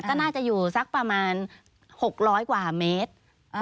ก็น่าจะอยู่สักประมาณ๖๐๐กว่าเมตร